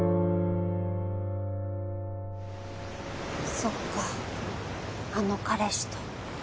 そっかあの彼氏と。